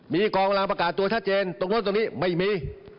มีกองรางประกาศตัวชัดเจนตรงนู้นตรงนี้ไม่มี